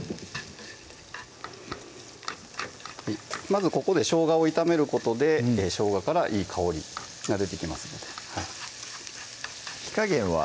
まずここでしょうがを炒めることでしょうがからいい香りが出てきますので火加減は？